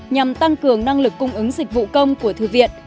nhằm tăng cường năng lực cung ứng dịch vụ công của thư viện